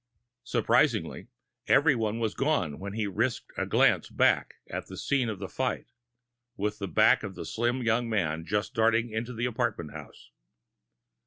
Surprisingly, everyone was gone when he risked a glance back at the scene of the fight, with the back of the slim man just darting into the apartment house.